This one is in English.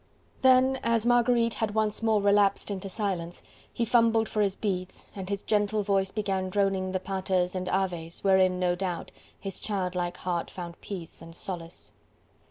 Then, as Marguerite had once more relapsed into silence, he fumbled for his beads, and his gentle voice began droning the Paters and Aves wherein no doubt his child like heart found peace and solace.